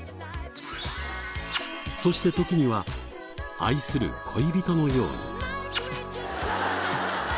そして時には愛する恋人のように。